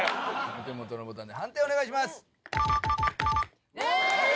お手元のボタンで判定お願いします！